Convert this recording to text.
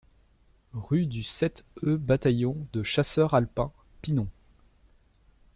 Rue du sept e Bataillon de Chasseurs Alpins, Pinon